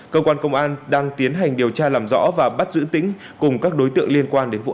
cơ quan công an đang tiến hành điều tra làm rõ và bắt giữ tính cùng các đối tượng liên quan đến vụ án